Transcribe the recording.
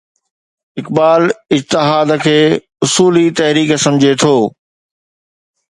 اقبال اجتهاد کي اصولي تحريڪ سمجهي ٿو.